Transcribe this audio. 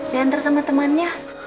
dia hantar sama temannya